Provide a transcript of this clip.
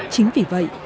chính vì vậy